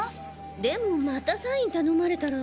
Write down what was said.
でもまたサイン頼まれたら。